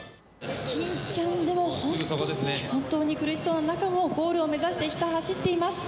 欽ちゃん、でも本当に本当に苦しそうな中を、ゴールを目指してひた走っています。